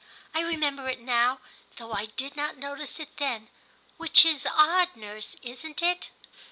I remember it now, though I did not notice it then, which is odd, nurse, isn't it